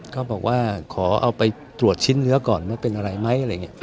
ก็บอกว่าขอเอาไปตรวจชิ้นเนื้อก่อนว่าเป็นอะไรมั้ย